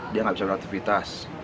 dia tidak bisa mengaktifitas